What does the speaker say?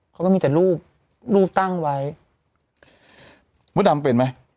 เขาก็มีแต่รูปรูปตั้งไว้มดดำเป็นไหม